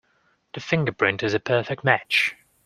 The fingerprint is a perfect match.